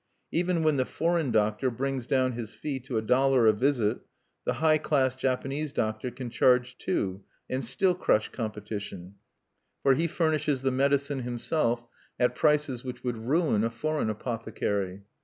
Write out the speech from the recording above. Even when the foreign doctor brings down his fee to a dollar a visit, the high class Japanese doctor can charge two, and still crush competition; for, he furnishes the medicine himself at prices which would ruin a foreign apothecary.